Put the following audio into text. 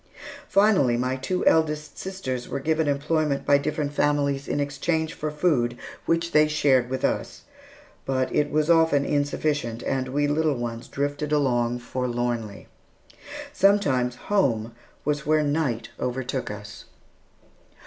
Finally, my two eldest sisters were given employment by different families in exchange for food, which they shared with us; but it was often insufficient, and we little ones drifted along forlornly. Sometimes home was where night overtook us.